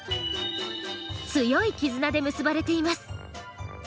強い絆で結ばれています。